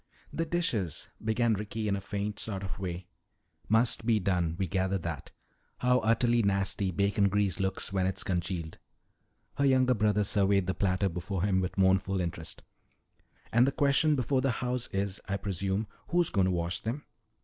"The dishes " began Ricky in a faint sort of way. "Must be done. We gather that. How utterly nasty bacon grease looks when it's congealed." Her younger brother surveyed the platter before him with mournful interest. "And the question before the house is, I presume, who's going to wash them?"